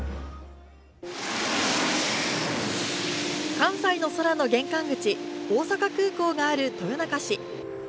関西の空の玄関口大阪空港がある豊中市。